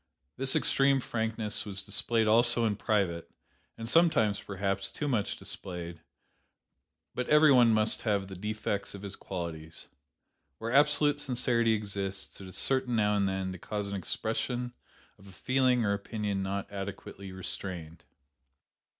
This extreme frankness was displayed also in private, and sometimes, perhaps, too much displayed; but every one must have the defects of his qualities. Where absolute sincerity exists, it is certain now and then to cause an expression of a feeling or opinion not adequately restrained.